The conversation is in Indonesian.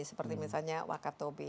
seperti misalnya wakatobi